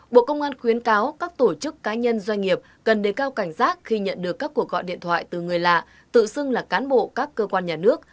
bộ công an khuyến cáo các tổ chức cá nhân doanh nghiệp cần đề cao cảnh giác khi nhận được các cuộc gọi điện thoại từ người lạ tự xưng là cán bộ các cơ quan nhà nước